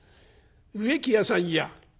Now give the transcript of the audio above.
「植木屋さんや。